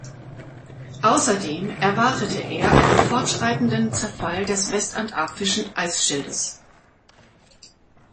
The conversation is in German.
Außerdem erwartete er einen fortschreitenden Zerfall des westantarktischen Eisschildes.